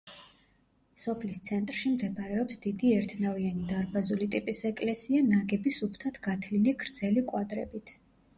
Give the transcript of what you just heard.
სოფლის ცენტრში მდებარეობს დიდი ერთნავიანი დარბაზული ტიპის ეკლესია, ნაგები სუფთად გათლილი გრძელი კვადრებით.